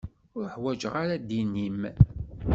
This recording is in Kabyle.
Ur ḥwaǧeɣ ara ddin-im.